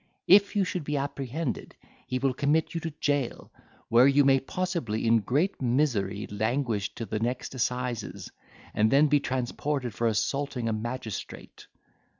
If you should be apprehended, he will commit you to jail, where you may possibly in great misery languish till the next assizes, and then be transported for assaulting a magistrate."